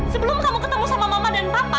sebelum kamu ketemu sama mama dan papa